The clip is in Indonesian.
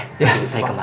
nanti saya kembali